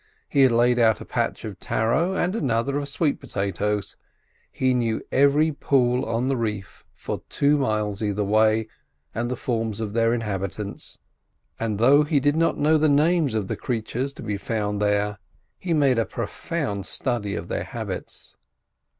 He had laid out a patch of taro and another of sweet potatoes. He knew every pool on the reef for two miles either way, and the forms of their inhabitants; and though he did not know the names of the creatures to be found there, he made a profound study of their habits.